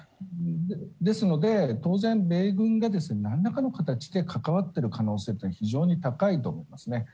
ですので、当然米軍がなんらかの形で関わってる可能性というのは非常に高いと思いますね。